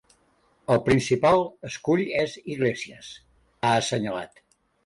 El principal escull és Iglesias, ha assenyalat.